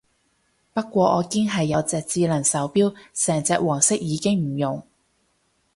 不過我堅係有隻智能手錶，成隻黃色已經唔用